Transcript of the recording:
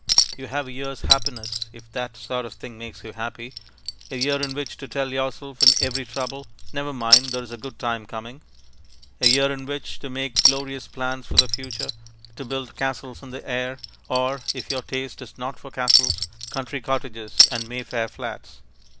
You have a year's happiness (if that sort of thing makes you happy), a year in which to tell yourself in every trouble, "Never mind, there's a good time coming"; a year in which to make glorious plans for the future, to build castles in the air, or (if your taste is not for castles) country cottages and Mayfair flats.